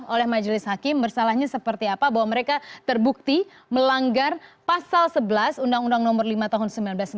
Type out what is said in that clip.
oleh majelis hakim bersalahnya seperti apa bahwa mereka terbukti melanggar pasal sebelas undang undang nomor lima tahun seribu sembilan ratus sembilan puluh